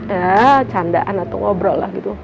ya candaan atau ngobrol lah gitu